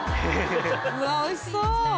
うわおいしそう！